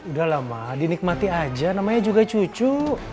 udah lah ma dinikmati aja namanya juga cucu